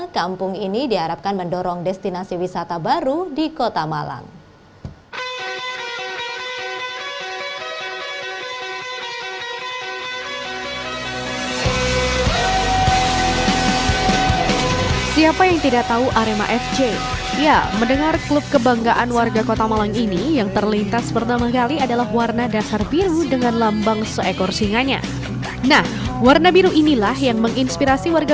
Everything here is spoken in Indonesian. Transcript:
kampung ini diharapkan mendorong destinasi wisata baru di kota malang